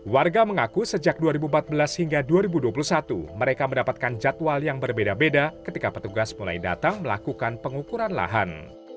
warga mengaku sejak dua ribu empat belas hingga dua ribu dua puluh satu mereka mendapatkan jadwal yang berbeda beda ketika petugas mulai datang melakukan pengukuran lahan